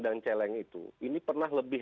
dan celeng itu ini pernah lebih